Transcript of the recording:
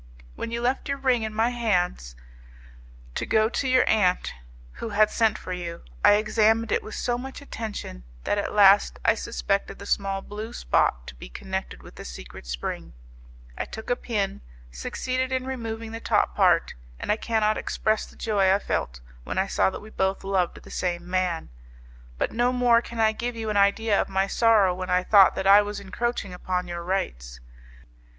'When you left your ring in my hands to go to your aunt, who had sent for you, I examined it with so much attention that at last I suspected the small blue spot to be connected with the secret spring; I took a pin, succeeded in removing the top part, and I cannot express the joy I felt when I saw that we both loved the same man, but no more can I give you an idea of my sorrow when I thought that I was encroaching upon your rights.